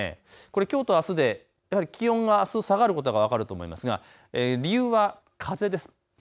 きょうとあすでやはり気温が朝下がることが分かると思いますが、理由は風です。